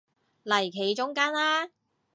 嚟企中間啦